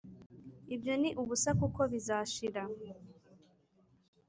Ibyo ni ubusa kuko bizashira